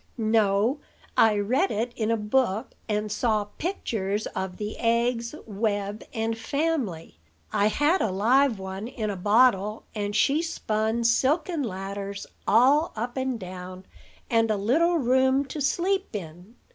"No; I read it in a book, and saw pictures of the eggs, web, and family. I had a live one in a bottle; and she spun silken ladders all up and down, and a little room to sleep in.